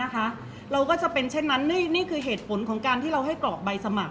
เพราะว่าสิ่งเหล่านี้มันเป็นสิ่งที่ไม่มีพยาน